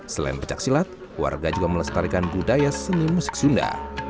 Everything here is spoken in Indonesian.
selain pencaksilat warga juga melestarikan budaya seni musik sunda